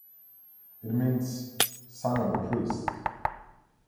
It means "son of a priest".